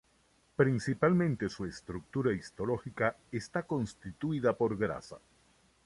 Principalmente su estructura histológica está constituida por grasa.